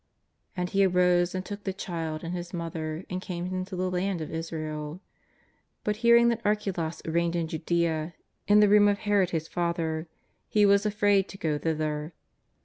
'' And he arose and took the Child and His Mother and came into the land of Israel. But hearing that Archelaus reigned in Judea in the room of Herod his father, he was afraid to go thither.